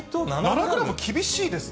７グラム厳しいですね。